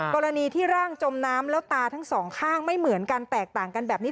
กรณีที่ร่างจมน้ำแล้วตาทั้งสองข้างไม่เหมือนกันแตกต่างกันแบบนี้